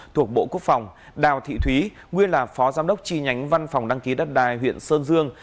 thuộc bộ quốc phòng đào thị thúy nguyên là phó giám đốc chi nhánh văn phòng đăng ký đất đài huyện sơn dương